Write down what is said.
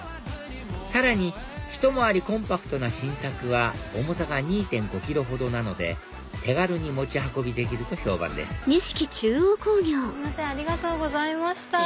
さらにひと回りコンパクトな新作は重さが２．５ｋｇほどなので手軽に持ち運びできると評判ですありがとうございました。